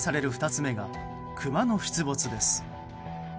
２つ目が、クマの出没です。